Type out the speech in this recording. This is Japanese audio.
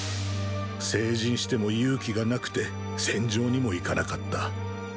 成人しても勇気がなくて戦場にも行かなかった。